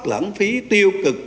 lãng phí tiêu cực